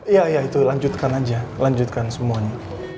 iya ya itu lanjutkan aja lanjutkan semuanya